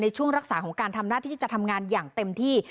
ช่วงรักษาของการทำหน้าที่จะทำงานอย่างเต็มที่